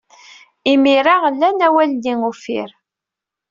Imir-a, lan awal-nni uffir.